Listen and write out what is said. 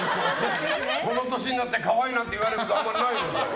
この年になって、可愛いなんて言われることあんまりないもん。